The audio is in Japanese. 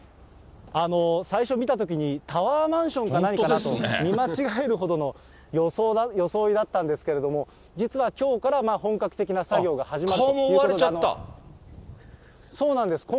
最初見たときに、タワーマンションか何かかなと見間違えるほどの装いだったんですけれども、実はきょうから本格的な作業が始まるということで。